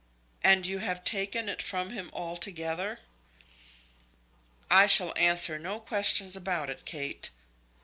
"And you have taken it from him altogether?" "I shall answer no questions about it, Kate."